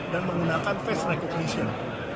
dan menggunakan face recognition